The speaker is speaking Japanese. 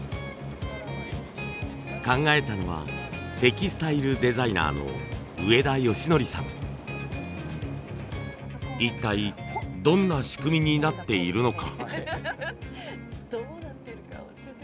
考えたのはテキスタイルデザイナーの一体どんな仕組みになっているのか。